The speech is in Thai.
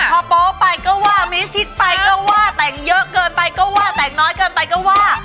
พอโป๊ไปก็ว่ามิชิดไปก็ว่าแต่งเยอะเกินไปก็ว่าแต่งน้อยเกินไปก็ว่า